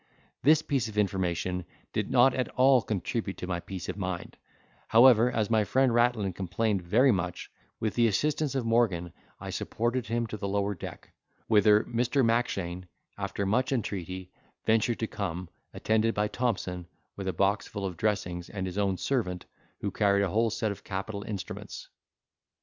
This piece of information did not at all contribute to my peace of mind; however, as my friend Rattlin complained very much, with the assistance of Morgan I supported him to the lower deck, whither Mr. Mackshane, after much entreaty, ventured to come, attended by Thompson, with a box full of dressings, and his own servant, who carried a whole set of capital instruments.